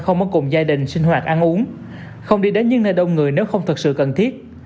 không ở cùng gia đình sinh hoạt ăn uống không đi đến những nơi đông người nếu không thật sự cần thiết